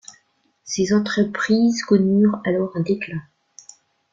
Ses entreprises connurent alors un déclin.